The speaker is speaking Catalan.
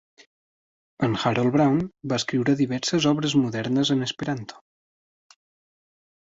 En Harold Brown va escriure diverses obres modernes en esperanto.